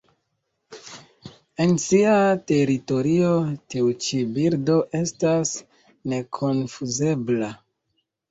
En sia teritorio, tiu ĉi birdo estas nekonfuzebla.